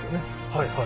はいはい。